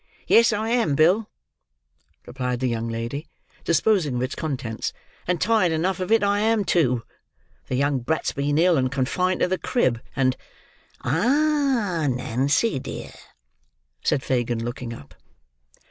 "Yes, I am, Bill," replied the young lady, disposing of its contents; "and tired enough of it I am, too. The young brat's been ill and confined to the crib; and—" "Ah, Nancy, dear!" said Fagin, looking up.